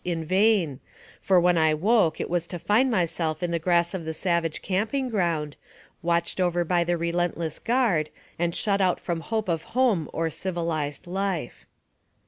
in vain, for when I awoke it was to find myself in the grass of the savage camping ground, watched over by the relentless guard, and shut out from hope of home or civilized life.